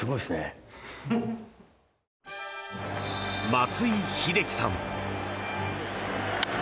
松井秀喜さん。